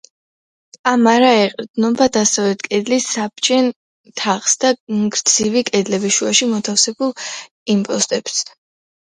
კამარა ეყრდნობა დასავლეთ კედლის საბჯენ თაღს და გრძივი კედლების შუაში მოთავსებულ იმპოსტებს.